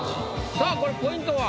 さぁこれポイントは？